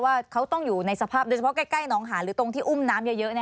ว่าเขาต้องอยู่ในสภาพโดยเฉพาะใกล้น้องหานหรือตรงที่อุ้มน้ำเยอะ